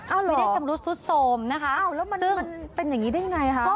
ไม่ได้สำรุดสุดโทรมนะคะแล้วมันเป็นอย่างนี้ได้ยังไงคะ